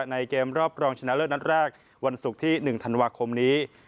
ในเกมรอบรองชนะเลิศนัดแรกวันศุกร์ที่๑ธันวาคมนี้